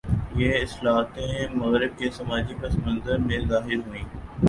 یہ اصطلاحیں مغرب کے سماجی پس منظر میں ظاہر ہوئیں۔